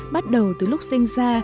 bắt đầu từ lúc sinh ra